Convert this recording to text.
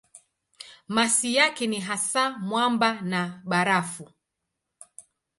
Masi yake ni hasa mwamba na barafu.